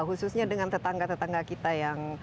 khususnya dengan tetangga tetangga kita yang